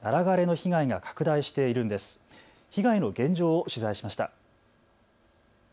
被害の現状を取材しました。